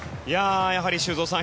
やはり、修造さん